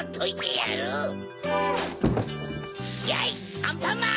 やいアンパンマン！